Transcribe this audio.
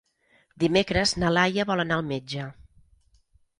Dimecres na Laia vol anar al metge.